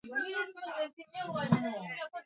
Hongkong na Macau na Katika miji hiyo miwili